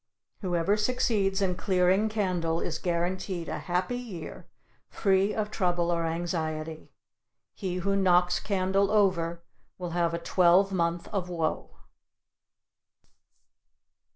Whoever succeeds in clearing candle is guaranteed a happy year, free of trouble or anxiety. He who knocks candle over will have a twelve month of woe.